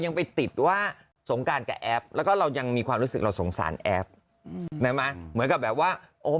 จนปิดคอมเม้นต์ไปเลยคุณแม่